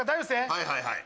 はいはいはい。